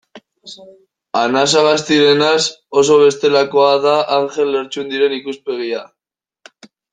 Anasagastirenaz oso bestelakoa da Anjel Lertxundiren ikuspegia.